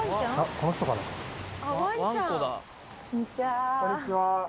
こんにちは。